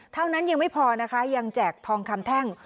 เท่านั้นยังไม่พอนะคะยังแจกทองคำแท่ง